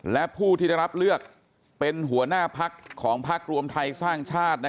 และผู้ที่ได้รับเลือกเป็นหัวหน้าพักของพักรวมไทยสร้างชาติ